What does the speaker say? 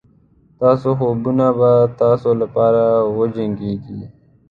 ستاسو خوبونه به ستاسو لپاره وجنګېږي.